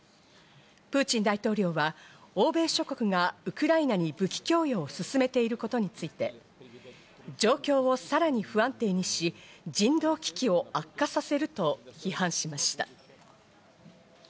プーチン大統領は、欧米諸国がウクライナに武器供与を進めていることについて、状況をさらに不安定にし、人道危機を悪化させると批判しました。